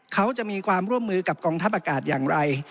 เขาจะมีความร่วมมือกับกองทัพอากาศอย่างไร